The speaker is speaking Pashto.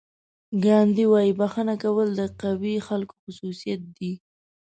ګاندي وایي بښنه کول د قوي خلکو خصوصیت دی.